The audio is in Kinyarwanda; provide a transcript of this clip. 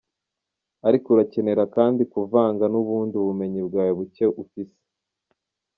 Ariko urakenera kandi kuvanga n'ubundi bumenyi bwawe buke ufise.